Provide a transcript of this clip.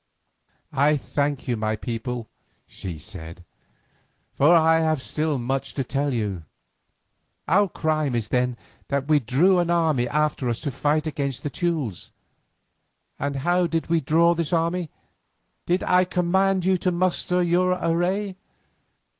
"I thank you, my people," she said, "for I have still much to tell you. Our crime is then, that we drew an army after us to fight against the Teules. And how did we draw this army? Did I command you to muster your array?